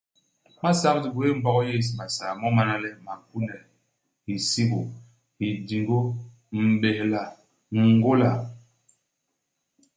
Imasak di gwéé i Mbog yés Basaa mo mana le, makune, hisigô, hijingô, m'béhla, ngôla.